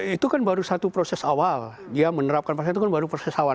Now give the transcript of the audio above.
itu kan baru satu proses awal dia menerapkan pasal itu kan baru proses awal